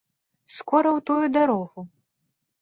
Скора ў тую дарогу!